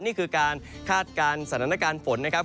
นี่คือการคาดการณ์สถานการณ์ฝนนะครับ